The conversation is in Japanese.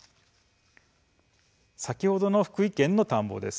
先ほどの福井県の田んぼです。